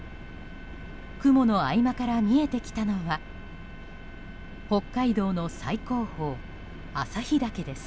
雲の合間から見えてきたのは北海道の最高峰・旭岳です。